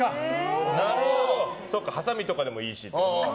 はさみとかでもいいし。